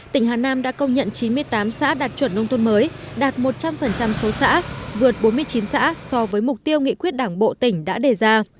tỉnh hà nam đã công nhận chín mươi tám xã đạt chuẩn nông thôn mới đạt một trăm linh số xã vượt bốn mươi chín xã so với mục tiêu nghị quyết đảng bộ tỉnh đã đề ra